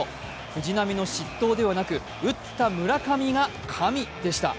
藤浪の失投ではなく、打った村上が神でした！